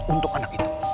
untuk anak itu